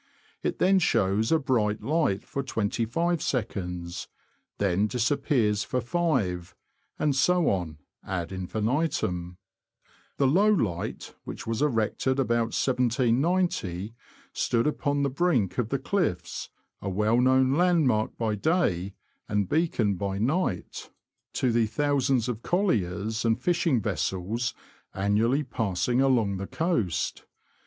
It then shows a bright light for twenty five seconds, again disappears for five, and so on ad infinitum. The Low Light, which was erected about 1790, stood upon the brink of the cliffs, a well known landmark by day, and beacon by night, to the thousands of colliers and UP THE ANT, TO BARTON AND STALHAM. 169 fishing vessels annually passing along the coast.